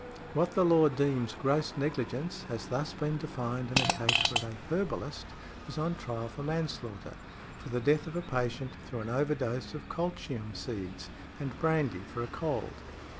What the law deems gross negligence has been thus defined in a case where a "Herbalist" was on trial for manslaughter, for the death of a patient through an overdose of colchium seeds and brandy for a cold.